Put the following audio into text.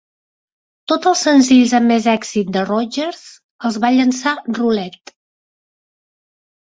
Tots els senzills amb més èxit de Rodgers els va llençar Roulette.